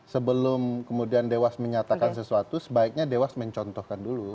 sebelum kemudian dewas menyatakan sesuatu sebaiknya dewas mencontohkan dulu